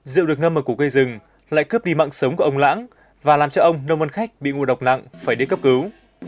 rượu được ngâm ở cổ cây rừng lại cướp đi mạng sống của ông lãng và làm cho ông nông văn khách bị ngộ độc nặng phải đi cấp cứu